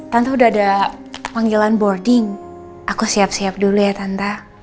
tanta udah ada panggilan boarding aku siap siap dulu ya tanta